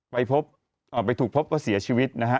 ไปพบอ่าไปถูกพบว่าเสียชีวิตนะฮะ